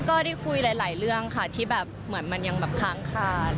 ก็ได้คุยหลายเรื่องค่ะที่แบบเหมือนมันยังแบบค้างคาน